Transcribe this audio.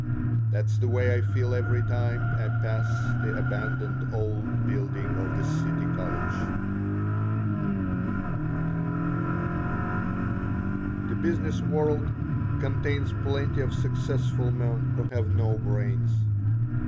That's the way I feel every time I pass the abandoned old building of the City College. The business world contains plenty of successful men who have no brains.